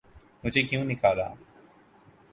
''مجھے کیوں نکالا‘‘۔